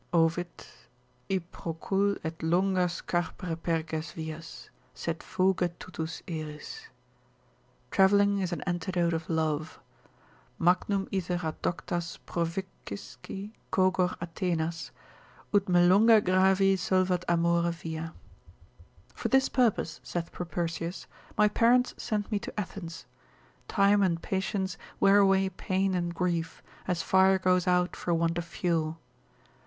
Ovid. I procul, et longas carpere perge vias. ———sed fuge tutus eris. Travelling is an antidote of love, Magnum iter ad doctas proficisci cogor Athenas, Ut me longa gravi solvat amore via. For this purpose, saith Propertius, my parents sent me to Athens; time and patience wear away pain and grief, as fire goes out for want of fuel.